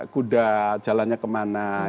kuda jalannya kemana